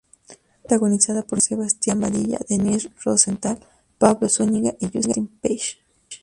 Es protagonizada por Sebastián Badilla, Denise Rosenthal, Pablo Zúñiga y Justin Page.